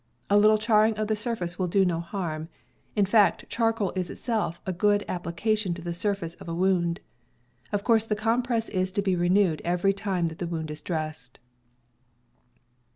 A little charring of the surface will do no harm; in fact, char coal is itself a good application to the surface of a wound. Of course the compress is to be renewed every time that the wound is dressed.